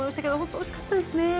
惜しかったですね。